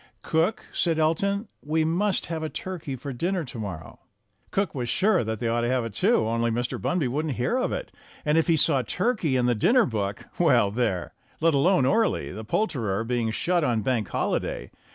"Cook," said Elton, "we must have a turkey for dinner to morrow." Cook was sure that they ought to have it, too, only Mr. Bunby wouldn't hear of it, and if he saw turkey in the dinner book well, there! Let alone Orley, the poulterer, being shut on Bank Holiday.